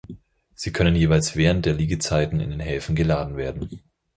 Sie können jeweils während der Liegezeiten in den Häfen geladen werden.